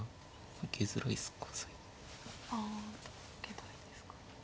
あ受けたいですか。